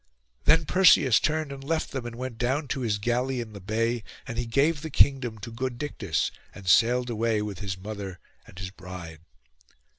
Then Perseus turned and left them, and went down to his galley in the bay; and he gave the kingdom to good Dictys, and sailed away with his mother and his bride.